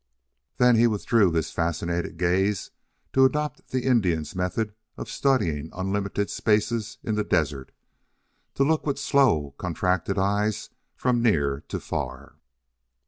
Then he withdrew his fascinated gaze to adopt the Indian's method of studying unlimited spaces in the desert to look with slow, contracted eyes from near to far.